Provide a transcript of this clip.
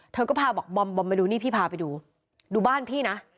เธอก็พาบอกบอมบอมมาดูนี่พี่พาไปดูดูบ้านพี่นะ